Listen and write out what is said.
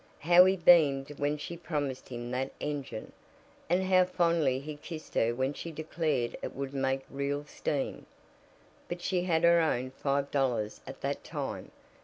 How he beamed when she promised him that engine! And how fondly he kissed her when she declared it would make real steam! But she had her own five dollars at that time.